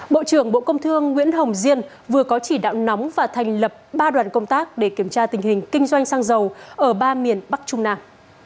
bộ trưởng bộ công thương nguyễn hồng diên vừa có chỉ đạo nóng và thành lập ba đoàn công tác để kiểm tra tình hình kinh doanh xăng dầu ở ba miền bắc trung nam